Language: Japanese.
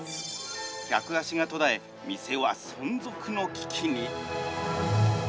客足が途絶え店は存続の危機に。